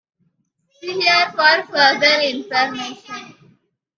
See here for further information.